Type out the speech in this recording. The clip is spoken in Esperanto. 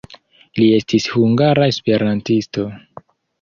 Li estis hungara esperantisto.